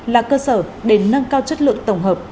là cơ sở để nâng cao chất lượng tổng hợp